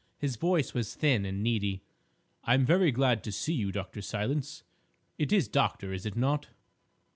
His voice was thin and needy. "I am very glad to see you, Dr. Silence. It is 'Doctor,' is it not?"